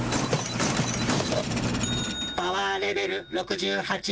「パワーレベル６８」。